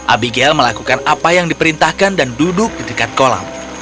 abigail melakukan apa yang diperintahkan dan duduk di dekat kolam